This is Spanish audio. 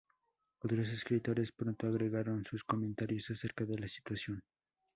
Otros escritores pronto agregaron sus comentarios acerca de la situación.